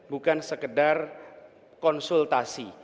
bukan sekedar konsultasi